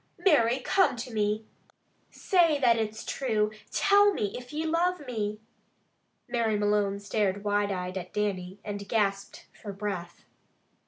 Mary, come to me. Say that it's true! Tell me, if ye love me." Mary Malone stared wide eyed at Dannie, and gasped for breath.